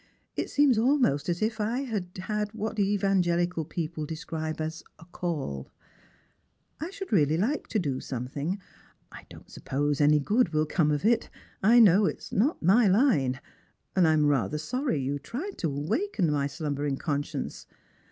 It seems almost as if I had had what evangelical people describe as ' a call.' I should really like to do some thing. I don't suppose any good will come of it — I know it i.s not my line — and I am rather sorry you tried to awaken my .<ylumbering conscience.